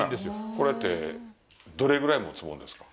これって、どれぐらいもつもんですか。